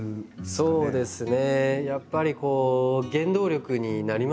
そうですね。